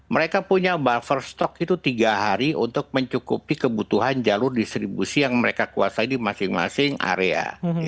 mereka punya buffer stok itu tiga hari untuk mencukupi kebutuhan jalur distribusi yang mereka kuasai di masing masing area